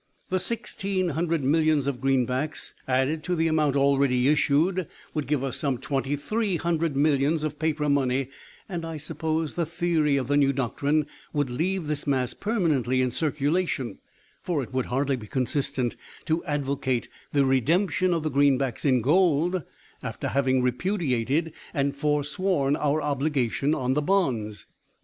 The sixteen hundred millions of greenbacks added to the amount already issued would give us some twenty three hundred millions of paper money, and I suppose the theory of the new doctrine would leave this mass permanently in circulation, for it would hardly be consistent to advocate the redemption of the greenbacks in gold after having repudiated and foresworn our obligation on the bonds.